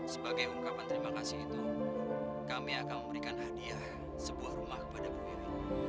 sebagai ungkapan terima kasih itu kami akan memberikan hadiah sebuah rumah kepada ibu ibu